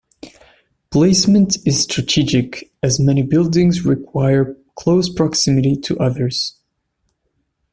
Placement is strategic as many buildings require close proximity to others.